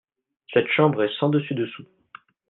Cette chambre est sens dessus dessous.